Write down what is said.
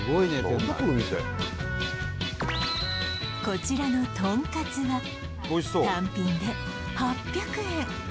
こちらのとんかつは単品で８００円